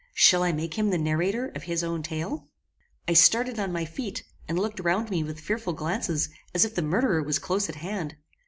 Shall I make him the narrator of his own tale?" I started on my feet, and looked round me with fearful glances, as if the murderer was close at hand.